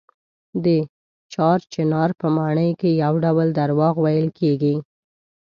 د چار چنار په ماڼۍ کې یو ډول درواغ ویل کېږي.